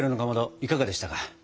いかがでしたか？